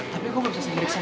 tapi gue gak bisa sendirian